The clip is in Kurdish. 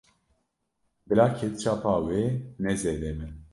Bila ketçapa wê ne zêde be.